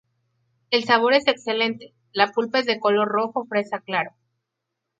El sabor es excelente, la pulpa es de color rojo fresa claro.